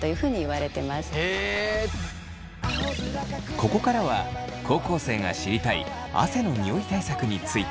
ここからは高校生が知りたい汗のニオイ対策について。